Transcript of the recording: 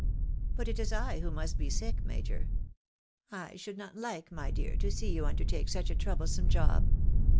But it is I who must be sick, major. I should not like, my dear, to see you uudertake such a troublesome job.